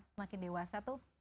semakin dewasa tuh